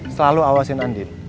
selalu awasin andin